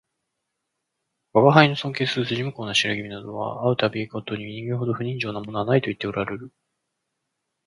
吾輩の尊敬する筋向こうの白君などは会う度毎に人間ほど不人情なものはないと言っておらるる